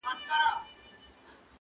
یوه لوی کمر ته پورته سو ډېر ستړی!.